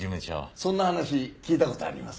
そんな話聞いた事あります。